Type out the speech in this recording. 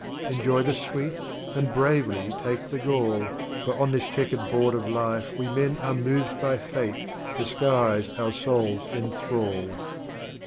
Enjoy the Sweet, and bravely take the Gall, For on this Checkered Board of Life we Men Are moved by Fate, the Skies our Souls enthrall.